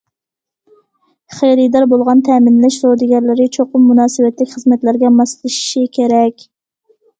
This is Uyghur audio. خېرىدار بولغان تەمىنلەش سودىگەرلىرى چوقۇم مۇناسىۋەتلىك خىزمەتلەرگە ماسلىشىشى كېرەك.